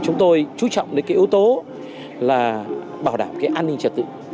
chúng tôi chú trọng đến cái yếu tố là bảo đảm cái an ninh trật tự